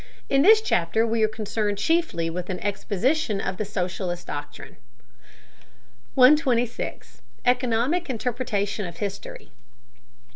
In this chapter we are concerned chiefly with an exposition of the socialist doctrine. 126. ECONOMIC INTERPRETATION OF HISTORY.